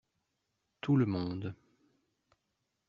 Tout le monde.